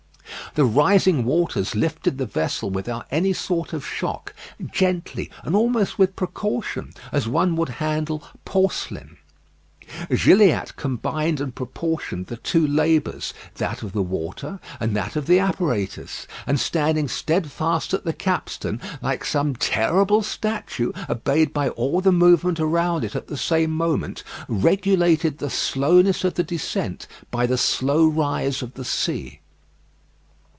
The rising waters lifted the vessel without any sort of shock, gently, and almost with precaution, as one would handle porcelain. Gilliatt combined and proportioned the two labours, that of the water and that of the apparatus; and standing steadfast at the capstan, like some terrible statue obeyed by all the movement around it at the same moment, regulated the slowness of the descent by the slow rise of the sea.